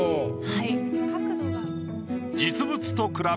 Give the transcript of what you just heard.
はい。